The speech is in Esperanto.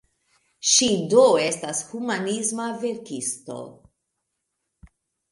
Ŝi do estas humanisma verkisto.